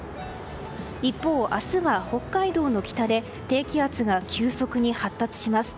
一方、明日は北海道の北で低気圧が急速に発達します。